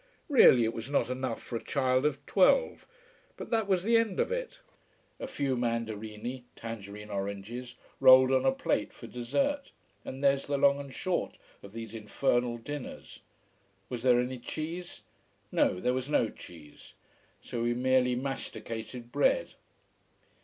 Really, it was not enough for a child of twelve. But that was the end of it. A few mandarini tangerine oranges rolled on a plate for dessert. And there's the long and short of these infernal dinners. Was there any cheese? No, there was no cheese. So we merely masticated bread.